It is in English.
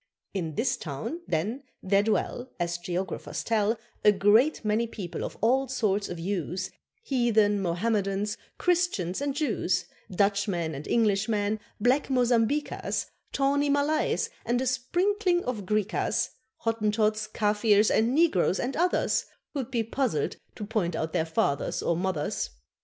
In this town, then, there dwell, As geographers tell, A great many people of all sorts of hues, Heathen, Mohammedans, Christians and Jews, Dutchmen and Englishmen, black Mozambiquas, Tawny Malays, and a sprinkling of Griquas, Hottentots, Kafirs, and Negroes and others, Who'd be puzzled to point out their fathers or mothers.